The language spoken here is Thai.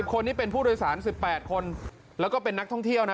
คนนี้เป็นผู้โดยสาร๑๘คนแล้วก็เป็นนักท่องเที่ยวนะ